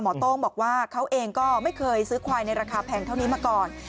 โต้งบอกว่าเขาเองก็ไม่เคยซื้อควายในราคาแพงเท่านี้มาก่อน